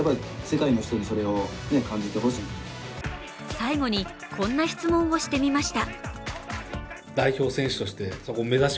最後に、こんな質問をしてみました。